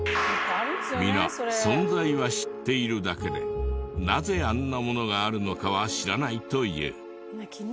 皆存在は知っているだけでなぜあんなものがあるのかは知らないという。